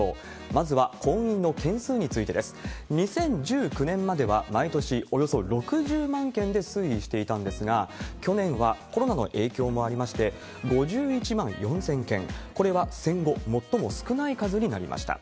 まずは、婚姻の件数についてです。２０１９年までは毎年およそ６０万件で推移していたんですが、去年はコロナの影響もありまして、５１万４０００件、これは戦後最も少ない数になりました。